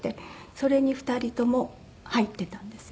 それに２人とも入ってたんですよ。